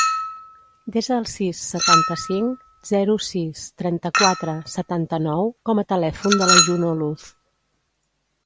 Desa el sis, setanta-cinc, zero, sis, trenta-quatre, setanta-nou com a telèfon de la Juno Luz.